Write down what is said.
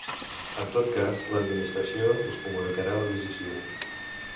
En tot cas, l'Administració us comunicarà la decisió.